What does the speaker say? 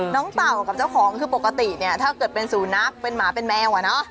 เต่ากับเจ้าของคือปกติเนี่ยถ้าเกิดเป็นสูนักเป็นหมาเป็นแมวอะเนาะ